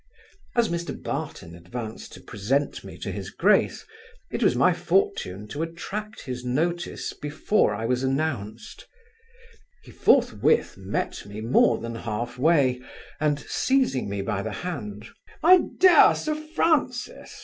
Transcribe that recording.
As Mr Barton advanced to present me to his grace, it was my fortune to attract his notice, before I was announced He forthwith met me more than half way, and, seizing me by the hand, 'My dear Sir Francis!